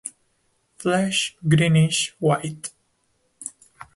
Flesh Greenish white.